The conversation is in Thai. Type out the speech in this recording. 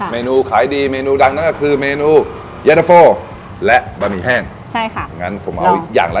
เมนูขายดีเมนูดังนั้นก็คือเมนูเย็นเตอร์โฟล์และบะหมี่แห้ง